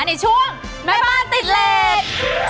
ในช่วงแม่บ้านติดเลส